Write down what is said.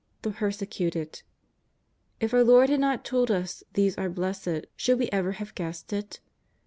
The persecuted. If our Lord had not told us these are blessed, should we ever have guessed it